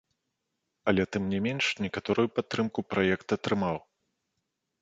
Але тым не менш, некаторую падтрымку праект атрымаў.